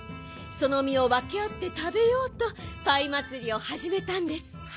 そのみをわけあってたべようとパイまつりをはじめたんです。